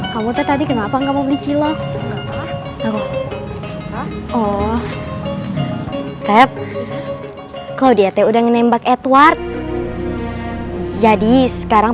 kamu tadi kenapa enggak mau berjila oh oh tep kalau dia udah ngembak edward jadi sekarang